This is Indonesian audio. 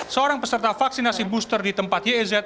seorang peserta vaksinasi booster di tempat yez